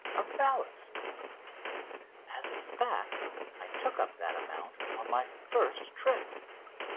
of ballast. As a fact, I took up that amount on my first trip.